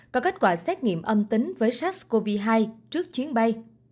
có kết quả xét nghiệm âm tính với sars cov hai trước chuyến bay